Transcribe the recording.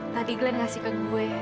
tadi glenn ngasih ke gue